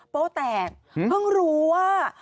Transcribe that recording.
โป๊แตกเพิ่งรู้ว่า